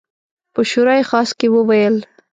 په شورای خاص کې وویل.